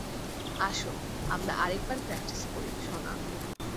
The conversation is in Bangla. আসো আমরা আরেকবার প্র্যাকটিস করি, সোনা।